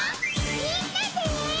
みんなで！